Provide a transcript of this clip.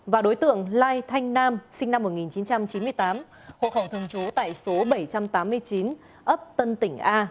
và đối tượng lai thanh nam sinh năm một nghìn chín trăm chín mươi tám hộ khẩu thường trú tại số bảy trăm tám mươi chín ấp tân tỉnh a